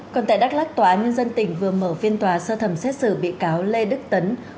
còn tại đắk lắc tòa án nhân dân tỉnh vừa mở phiên tòa sơ thẩm xét xử bị cáo lê đức tấn